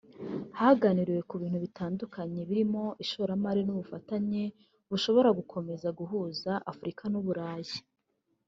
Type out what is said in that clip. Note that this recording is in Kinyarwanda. Haganiriwe ku bintu bitandukanye birimo ishoramari n’ubufatanye bushobora gukomeza guhuza Afurika n’u Burayi